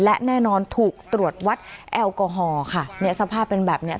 และแน่นอนถูกตรวจวัดแอลกอฮอล์ค่ะเนี่ยสภาพเป็นแบบเนี้ย